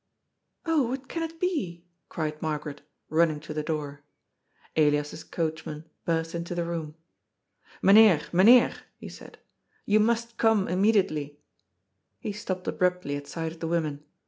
^' Oh, what can it be ?" cried Margaret, running to the door. Elias's coachman burst into the room. " Mynheer, Mynheer," he said, " you must come im mediately." He stopped abruptly at sight of the women.